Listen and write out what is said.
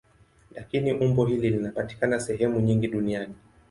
Lakini umbo hili linapatikana sehemu nyingi duniani.